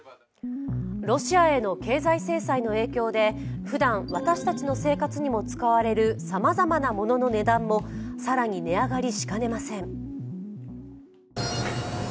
ロシアへの経済制裁の影響でふだん、私たちの生活にも使われるさまざまな、ものの値段も更に値上がりしかねません。